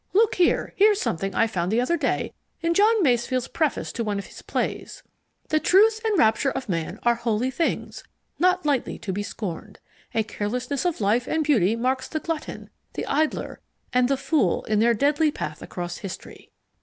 Look here, here's something I found the other day in John Masefield's preface to one of his plays: 'The truth and rapture of man are holy things, not lightly to be scorned. A carelessness of life and beauty marks the glutton, the idler, and the fool in their deadly path across history.'